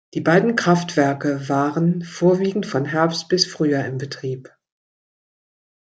Die beiden Kraftwerke waren vorwiegend von Herbst bis Frühjahr in Betrieb.